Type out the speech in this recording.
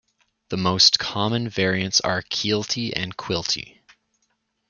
The most common variants are Kielty and Quilty.